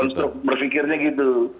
konstruk berfikirnya gitu